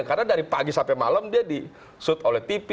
karena dari pagi sampai malam dia disut oleh tv